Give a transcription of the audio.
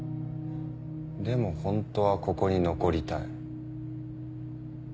でもホントはここに残りたい。